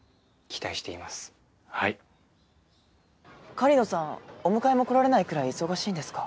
狩野さんお迎えも来られないくらい忙しいんですか？